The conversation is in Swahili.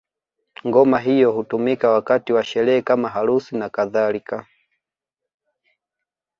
Ngoma hiyo hutumika wakati wa sherehe kama harusi na kadhalika